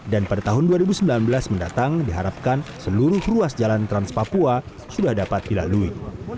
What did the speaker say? dan pada tahun dua ribu sembilan belas mendatang diharapkan seluruh ruas jalan trans papua sudah dapat dilalui